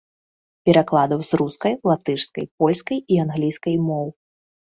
Перакладаў з рускай, латышскай, польскай і англійскай моў.